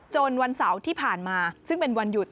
วันเสาร์ที่ผ่านมาซึ่งเป็นวันหยุด